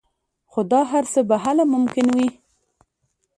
خو دا هر څه به هله ممکن وي